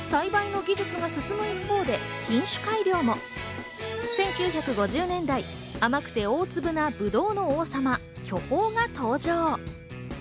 栽培の技術が進む一方で、品種改良も１９５０年代、甘くて大粒なぶどうの王様・巨峰が登場。